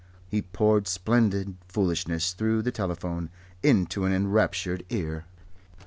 He poured splendid foolishness through the telephone into an enraptured ear.